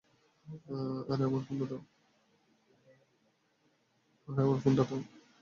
আরে, আমার ফোনটা দাও।